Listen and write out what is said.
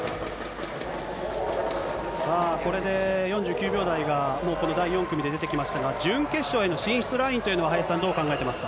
これで４９秒台がもうこの第４組で出てきましたが、準決勝への進出ラインというのは、林さん、どう考えてますか。